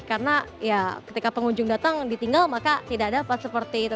karena ya ketika pengunjung datang ditinggal maka tidak dapat seperti itu